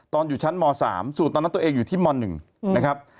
อยู่ชั้นม๓สูตรตอนนั้นตัวเองอยู่ที่ม๑นะครับ